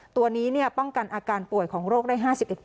ตัวนี้ป้องกันอาการป่วยของโรคได้๕๑